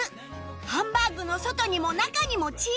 ハンバーグの外にも中にもチーズ！